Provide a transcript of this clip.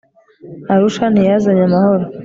arusha ntiyazanye amahoro